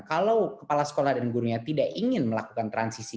kalau kepala sekolah dan gurunya tidak ingin melakukan transisi